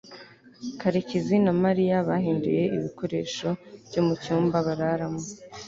karekezi na mariya bahinduye ibikoresho byo mu cyumba bararamo